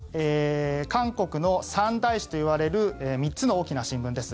こちら、韓国の三大紙といわれる３つの大きな新聞です。